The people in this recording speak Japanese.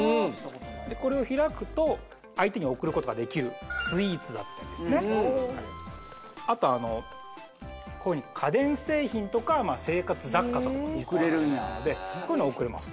これを開くと相手に贈ることができるスイーツだったりあとこういうふうに家電製品とか生活雑貨とかも贈れるんやこういうの贈れます